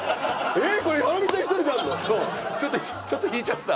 えっ！